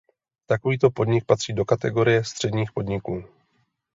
Takovýto podnik patří do kategorie středních podniků.